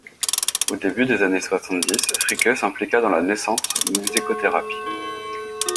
Au début des années soixante-dix, Fricke s'impliqua dans la naissante musicothérapie.